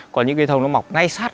có những cây thông nó mọc ngay sát